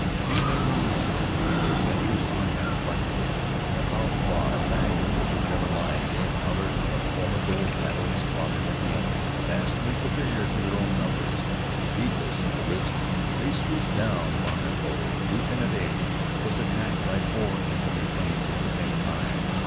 We may learn, then, of their adventures on that flight of death: how, far back of the German lines, they encountered a formidable battle squadron of the enemy, vastly superior to their own in numbers. Heedless of the risk they swooped down upon their foe. Lieutenant A was attacked by four enemy planes at the same time.